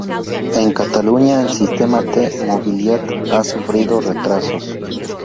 En Cataluña, el sistema T-Mobilitat ha sufrido retrasos.